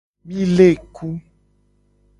Mi le ku.